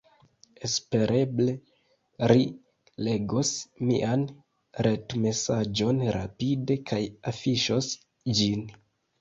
Espereble ri legos mian retmesaĝon rapide, kaj afiŝos ĝin